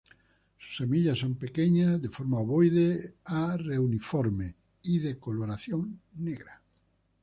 Sus semillas son pequeñas, de forma ovoide a reniforme y de coloración negra.